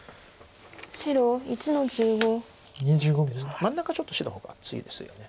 真ん中ちょっと白の方が厚いですよね。